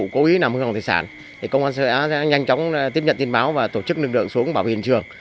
chúng tôi tiếp nhận tin báo và tổ chức lực lượng xuống bảo hiểm trường